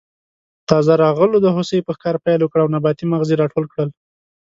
تازه راغلو د هوسۍ په ښکار پیل وکړ او نباتي مغز یې راټول کړل.